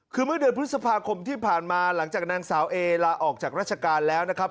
คือเมื่อเดือนพฤษภาคมที่ผ่านมาหลังจากนางสาวเอลาออกจากราชการแล้วนะครับ